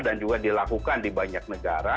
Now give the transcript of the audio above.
dan juga dilakukan di banyak negara